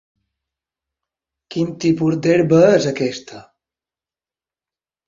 Quin tipus d'herba és aquesta?